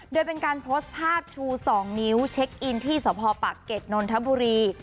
โดยเป็นการโพสต์ภาพชู๒นิ้วเช็คอินที่สพปะเก็ตนนทบุรี